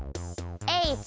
Ｈ！